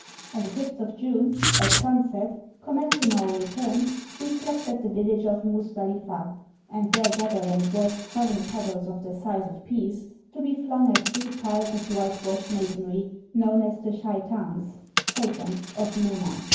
On the 5th of June, at sunset, commencing our return, we slept at the village of Muzdahfah, and there gathered and washed seven pebbles of the size of peas, to be flung at three piles of whitewashed masonry known as the Shaitans [Satans] of Muna.